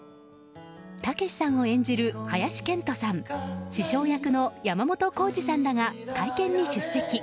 武さんを演じる林遣都さん師匠役の山本耕史さんらが会見に出席。